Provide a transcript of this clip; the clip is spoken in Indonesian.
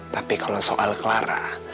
tapi kalau soal clara